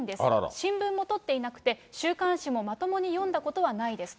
新聞も取っていなくて、週刊誌もまともに読んだことはないですと。